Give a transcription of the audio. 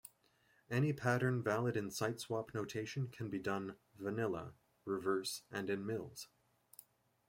Any pattern valid in siteswap notation can be done "vanilla", reverse, and in Mills.